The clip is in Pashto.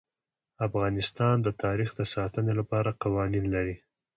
افغانستان د تاریخ د ساتنې لپاره قوانین لري.